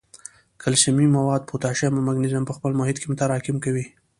کلسیمي مواد، پوټاشیم او مګنیزیم په خپل محیط کې متراکم کوي.